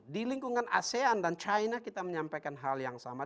di lingkungan asean dan china kita menyampaikan hal yang sama